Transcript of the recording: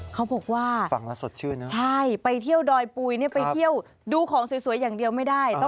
เขาบอกว่าใช่ไปเที่ยวดอยปุยดูของสวยอย่างเดียวไม่ได้